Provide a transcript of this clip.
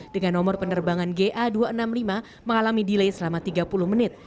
dengan nomor penerbangan ga dua ratus enam puluh lima mengalami delay selama tiga puluh menit